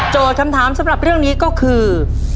คำถามสำหรับเรื่องนี้ก็คือ